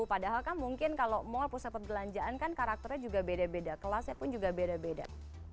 padahal kan mungkin kalau mall pusat perbelanjaan kan karakternya juga beda beda kelasnya pun juga beda beda